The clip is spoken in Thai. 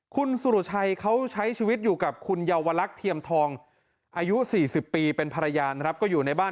คุณสุรชัยเขาใช้ชีวิตอยู่กับคุณเยาวลักษณ์เทียมทองอายุ๔๐ปีเป็นภรรยานะครับก็อยู่ในบ้าน